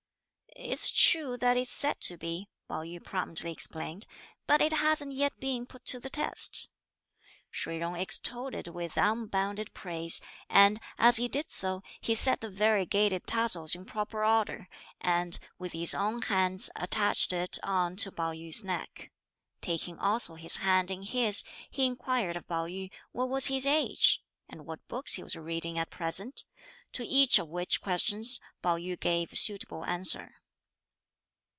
"It's true that it's said to be," Pao yü promptly explained, "but it hasn't yet been put to the test." Shih Jung extolled it with unbounded praise, and, as he did so, he set the variegated tassels in proper order, and, with his own hands, attached it on to Pao yü's neck. Taking also his hand in his, he inquired of Pao yü what was his age? and what books he was reading at present, to each of which questions Pao yü gave suitable answer.